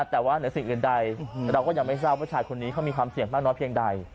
แต่ว่าเหนือสิ่งอื่นใดเราก็ยังไม่ทราบว่าชายคนนี้เขามีความเสี่ยงมากน้อยเพียงใด